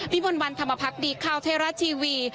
วิมวลวันธรรมพักษ์ดีข้าวเทราะทีวี